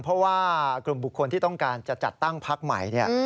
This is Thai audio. เพราะว่ากลุ่มบุคคลที่ต้องการจะจัดตั้งพักใหม่